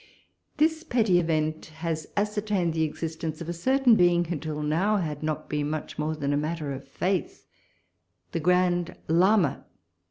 This petty event has ascertained the existence of a certain being, who, till now, has not been much more than a matter of faith — the Grand Lama.